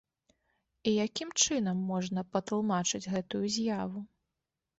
І якім чынам можна патлумачыць гэтую з'яву?